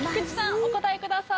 お答えください。